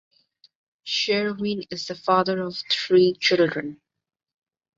Sherwin is the father of three children.